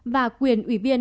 và quyền ủy viên